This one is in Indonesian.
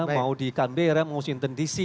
mau di kambera mau di intendisi